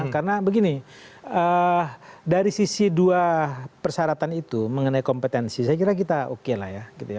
karena begini dari sisi dua persyaratan itu mengenai kompetensi saya kira kita oke lah ya